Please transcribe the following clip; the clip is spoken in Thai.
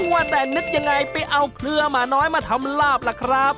ว่าแต่นึกยังไงไปเอาเครือหมาน้อยมาทำลาบล่ะครับ